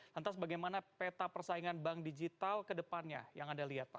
lantas bagaimana peta persaingan bank digital ke depannya yang anda lihat pak